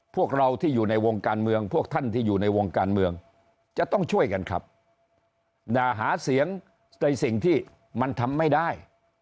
พวกเราที่อยู่ในวงการเมืองพวกท่านที่อยู่ในวงการเมืองจะต้องช่วยกันครับอย่าหาเสียงในสิ่งที่มันทำไม่ได้